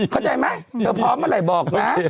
เข้าใจไหมเธอพร้อมเมื่อไหร่บอกนะ